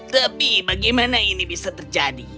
tapi bagaimana ini bisa terjadi